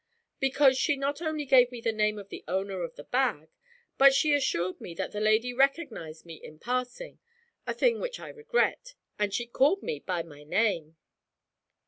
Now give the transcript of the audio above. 'Because she not only gave me the name of the owner of the bag, but she assured me that the lady recognised me in passing, a thing which I regret, and she called me by my name.'